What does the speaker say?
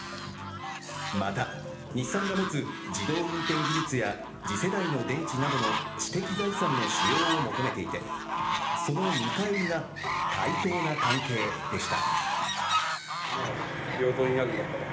また、日産が持つ自動運転技術や次世代の電池などの知的財産の使用を求めていてその見返りが対等な関係でした。